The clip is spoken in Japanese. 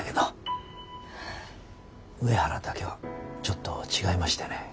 上原だけはちょっと違いましてね。